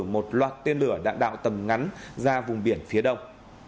một loạt tên lửa đạn đạo tầm ngắn ra vùng biển phía đông